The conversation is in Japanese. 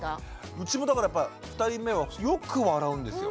うちもだからやっぱ２人目はよく笑うんですよ。